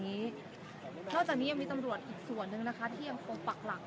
มีผู้ที่ได้รับบาดเจ็บและถูกนำตัวส่งโรงพยาบาลเป็นผู้หญิงวัยกลางคน